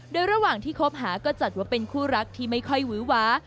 โดยระหว่างที่คบหาก็จัดว่าเป็นคู่รักที่ไม่ค่อยวื้อหวา